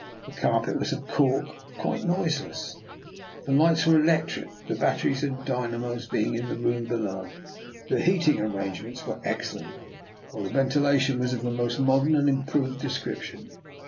The carpet was of cork and quite noiseless; the lights were electric, the batteries and dyna mos being in a room below. The heating ar rangements were excellent, while the ventila tion was of the most modern and improved description.